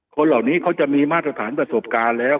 คนเหล่านี้เขาจะมีมาตรฐานประสบการณ์แล้ว